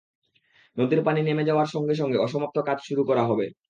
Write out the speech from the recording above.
নদীর পানি নেমে যাওয়ার সঙ্গে সঙ্গে অসমাপ্ত কাজ শুরু করা হবে।